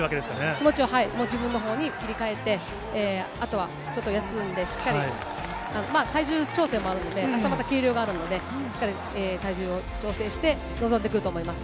気持ちはもう自分のほうに切り替えて、あとはちょっと休んで、しっかり、まあ体重調整もあるので、あしたまた計量があるので、しっかり体重を調整して臨んでくると思います。